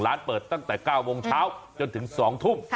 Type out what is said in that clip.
ร้านเปิดตั้งแต่๙โมงเช้าจนถึง๒ทุ่ม